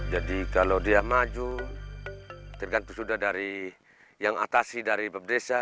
kalau dia maju tergantung sudah dari yang atasi dari desa